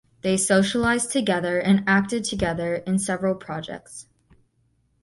They socialized together and acted together in several projects.